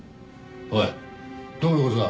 おいどういう事だ？